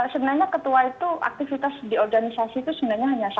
sebenarnya ketua itu aktivitas di organisasi itu sebenarnya hanya satu